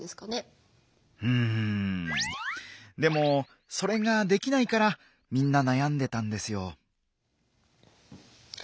うんでもそれができないからみんな悩んでたんですよ。